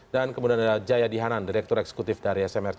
dan kemudian ada jayadi hanan direktur eksekutif dari smrc